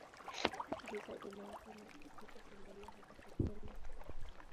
Giza inaanza na usiku huendelea hadi Septemba.